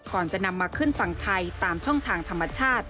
ก่อนจะนำมาขึ้นฝั่งไทยตามช่องทางธรรมชาติ